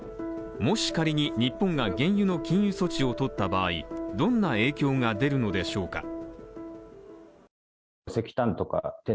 もし仮に日本が原油の禁輸措置をとった場合、どんな影響が出るのでしょうか。